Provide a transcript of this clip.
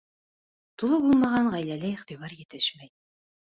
Тулы булмаған ғаиләлә иғтибар етешмәй.